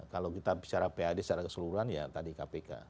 kalau kita bicara pad secara keseluruhan ya tadi kpk